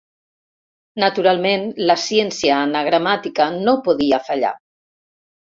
Naturalment, la ciència anagramàtica no podia fallar.